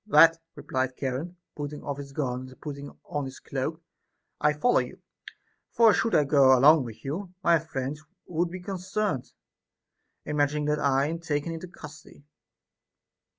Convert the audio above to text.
That, replied Charon, putting off his garland and putting on his cloak, I follow you ; for should I go along with you, my friends would be concerned, imagining that I am taken into custody.